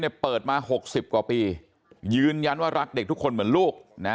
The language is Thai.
เปิดมาหกสิบกว่าปียืนยันว่ารักเด็กทุกคนเหมือนลูกนะ